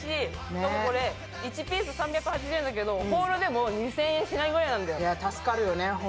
でも、これ１ピース３８０円だけど、ホールでも２０００円しないぐらいなんだよね。